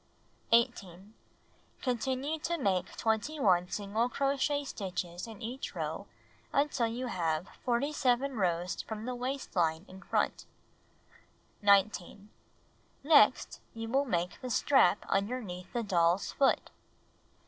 18. Continue to make 21 single crochet stitches in each row until you have 47 rows from the waist line in front. 19. Next you will make the strap underneath the doll's foot.